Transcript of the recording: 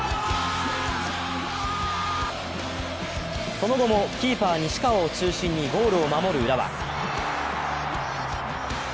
その後もキーパー・西川を中心にゴールを守る浦和。